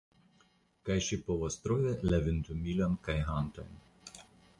Kaj ŝi povos trovi la ventumilon kaj gantojn.